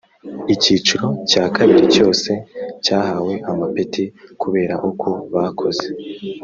icyiciro cya kabiri cyose cyahawe amapeti kubera uko bakoze